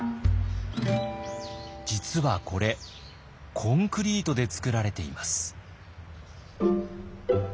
実はこれコンクリートで作られています。